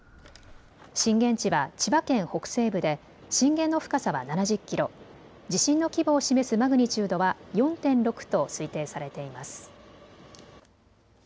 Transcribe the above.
震源地は千葉県北西部で震源の深さは７０キロ、地震の規模を示すマグニチュードは４．６と推定されています。